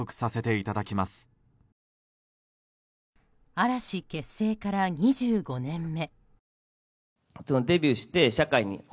嵐結成から２５年目。